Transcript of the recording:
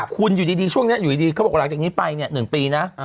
คุณอยู่ดีช่วงนี้อยู่ดีเขาบอกหลังจากนี้ไปเนี่ย๑ปีนะ